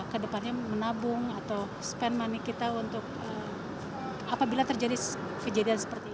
kedepannya menabung atau spend money kita untuk apabila terjadi kejadian seperti ini